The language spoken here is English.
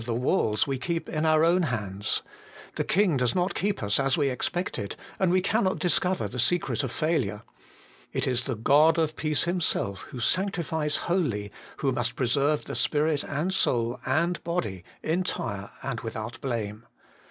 203 the walls we keep in our own hands ; the King does not keep us as we expected, and we cannot discover the secret of failure. It is the God of peace Himself, who sanctifies wholly, who must preserve spirit and soul and body entire and without blame.